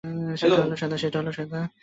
সেটা হলো সাদা।